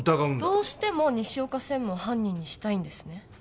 どうしても西岡専務を犯人にしたいんですね？